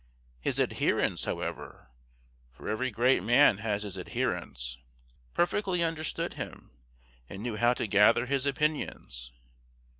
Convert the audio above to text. His adherents, however (for every great man has his adherents), perfectly understood him, and knew how to gather his opinions.